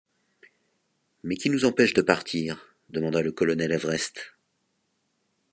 Mais qui nous empêche de partir? demanda le colonel Everest.